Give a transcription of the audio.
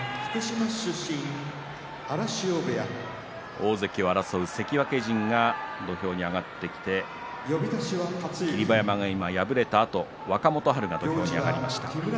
大関を争う関脇陣が土俵に上がってきて霧馬山が、敗れたあと若元春が土俵上です。